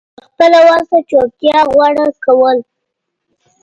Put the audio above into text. تر خپله وسه چوپتيا غوره کول